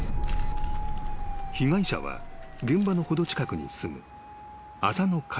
［被害者は現場の程近くに住む浅野かや子］